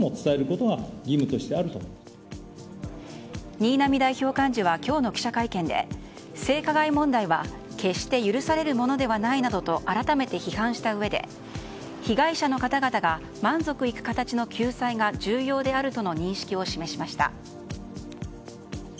新浪代表幹事は今日の記者会見で性加害問題は、決して許されるものではないなどと改めて批判したうえで被害者の方々が満足いく形の救済が重要であるとの認識を示しました。